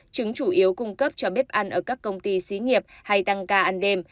trứng chủ yếu cung cấp cho bếp ăn ở các công ty xí nghiệp hay tăng ca ăn đêm